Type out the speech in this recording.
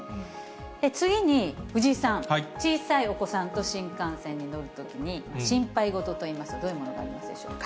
次に、藤井さん、小さいお子さんと新幹線に乗るときに、心配事といいますと、どういうものがありますでしょうか。